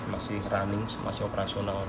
masih running masih operasional